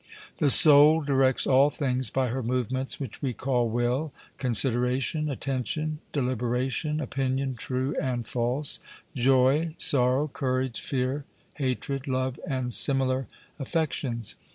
The soul directs all things by her movements, which we call will, consideration, attention, deliberation, opinion true and false, joy, sorrow, courage, fear, hatred, love, and similar affections.